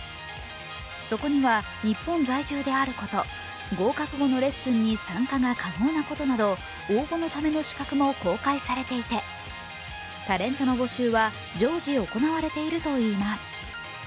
そこには日本在住であること、合格後のレッスンに参加が可能なことなど応募のための資格も公開されていてタレントの募集は常時行われているといいます。